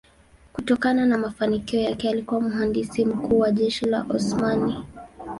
Kutokana na mafanikio yake alikuwa mhandisi mkuu wa jeshi la Osmani.